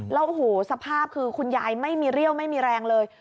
แล้วโอ้โหสภาพคือคุณยายไม่มีเรี่ยวไม่มีแรงเลย